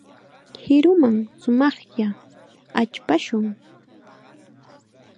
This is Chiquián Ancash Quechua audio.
Qiruman shumaqlla achpashun.